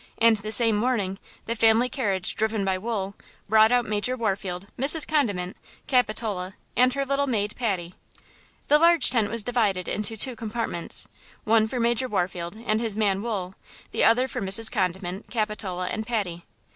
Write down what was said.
And the same morning the family carriage, driven by Wool, brought out Major Warfield, Mrs. Condiment, Capitola and her little maid Patty. The large tent was divided into two compartments–one for Major Warfield and his man Wool–the other for Mrs. Condiment, Capitola and Patty.